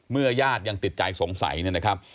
ญาติยังติดใจสงสัยเนี่ยนะครับ